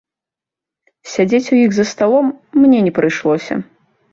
Сядзець у іх за сталом мне не прыйшлося.